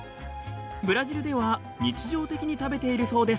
ブラジルでは日常的に食べているそうです。